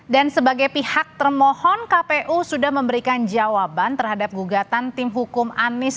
sebagai pihak termohon kpu sudah memberikan jawaban terhadap gugatan tim hukum anies